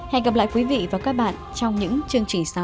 hẹn gặp lại quý vị và các bạn trong những chương trình tiếp theo